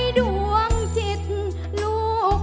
เพลงที่สองเพลงมาครับ